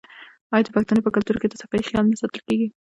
آیا د پښتنو په کلتور کې د صفايي خیال نه ساتل کیږي؟